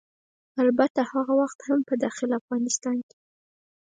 البته هغه وخت هم په داخل د افغانستان کې